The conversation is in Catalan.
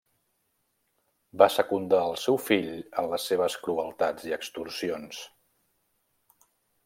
Va secundar al seu fill en les seves crueltats i extorsions.